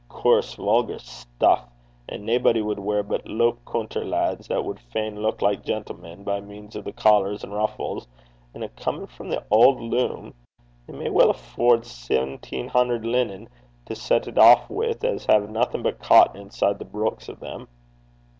Coorse vulgar stuff, 'at naebody wad weir but loup coonter lads that wad fain luik like gentlemen by means o' the collars and ruffles an' a' comin' frae the auld loom! They may weel affoord se'enteen hunner linen to set it aff wi' 'at has naething but coaton inside the breeks o' them.'